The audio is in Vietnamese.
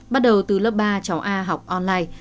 bắt đầu từ lớp ba cháu a học online